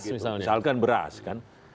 misalkan beras kan